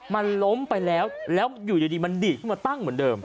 มันล้มไปแล้วแล้วอยู่ดีมันดีดขึ้นมาตั้งเหมือนเดิม